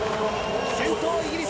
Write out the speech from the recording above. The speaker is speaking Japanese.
先頭、イギリス。